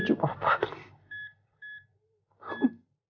kamu akan sembuh